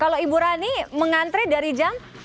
kalau ibu rani mengantri dari jam